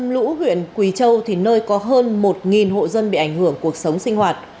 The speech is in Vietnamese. lũ huyện quỳ châu thì nơi có hơn một hộ dân bị ảnh hưởng cuộc sống sinh hoạt